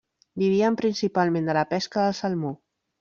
Vivien principalment de la pesca del salmó.